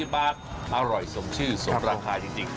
๑๐บาทอร่อยสมชื่อสมราคาจริง